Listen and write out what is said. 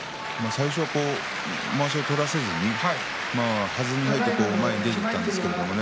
最初はまわしを取らせずにはずに入って前に出ていったんですけれどね。